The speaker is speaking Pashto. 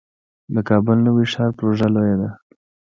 د کابل نوی ښار پروژه لویه ده